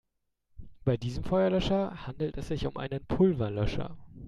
Bei diesem Feuerlöscher handelt es sich um einen Pulverlöscher.